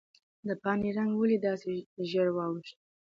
د پاڼې رنګ ولې داسې ژېړ واوښت؟